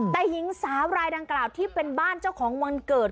แต่หญิงสาวรายดังกล่าวที่เป็นบ้านเจ้าของวันเกิด